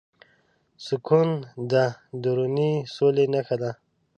سکون د دروني سولې نښه ده.